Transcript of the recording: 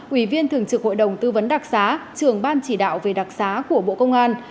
ủy viên thường trực hội đồng tư vấn đặc xá trường ban chỉ đạo về đặc xá của bộ công an